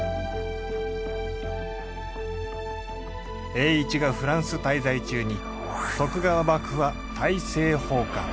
栄一がフランス滞在中に徳川幕府は大政奉還。